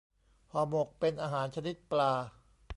ห่อหมก เป็นอาหารชนิดปลา